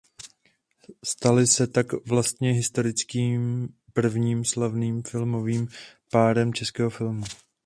Stali se tak vlastně historicky prvním slavným filmovým párem českého filmu.